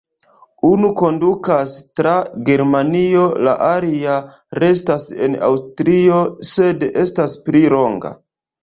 Unu kondukas tra Germanio, la alia restas en Aŭstrio, sed estas pli longa.